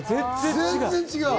全然違う！